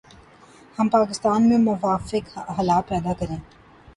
ہم پاکستان میں موافق حالات پیدا کریں